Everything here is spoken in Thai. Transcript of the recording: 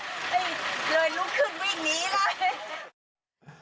เลยลุกขึ้นวิ่งนี้อะไร